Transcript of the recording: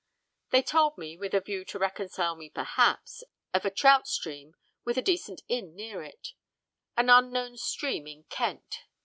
They told me, with a view to reconcile me perhaps, of a trout stream with a decent inn near it; an unknown stream in Kent.